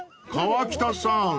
［河北さん